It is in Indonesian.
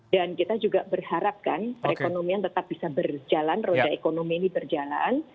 dan kita juga berharapkan perekonomian tetap bisa berjalan roda ekonomi ini berjalan